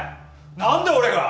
何で俺が！